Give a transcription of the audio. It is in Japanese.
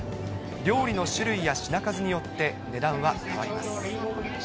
料理の種類や品数によって値段は変わります。